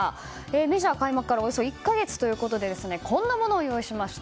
メジャー開幕からおよそ１か月ということでこんなものを用意しました。